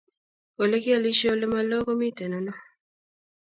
Olegialishe olemaloo komiten ano?